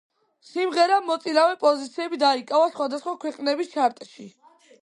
სიმღერამ მოწინავე პოზიციები დაიკავა სხვადასხვა ქვეყნების ჩარტში.